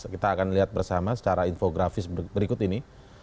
kita akan lihat bersama secara infografis berikut ini